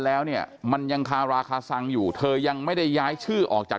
แล้วเนี่ยมันยังคาราคาซังอยู่เธอยังไม่ได้ย้ายชื่อออกจาก